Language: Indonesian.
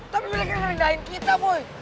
tapi mereka ngelindahin kita boy